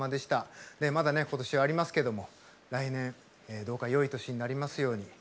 まだね今年はありますけども来年どうかよい年になりますように。